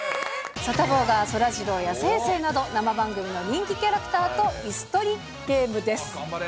サタボーがそらジローや星星など生番組の人気キャラクターといす取りゲームです。